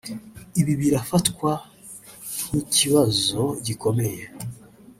Ibi birafatwa nk’ikibazo gikomeye